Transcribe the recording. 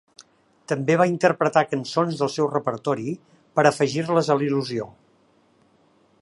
També va interpretar cançons del seu repertori per afegir-les a la il·lusió.